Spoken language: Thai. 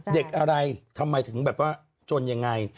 เด็กอะไรทำไมถึงแบบว่าจนยังไง